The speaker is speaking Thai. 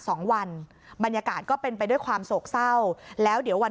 สองวันบรรยากาศก็เป็นไปด้วยความโศกเศร้าแล้วเดี๋ยววัน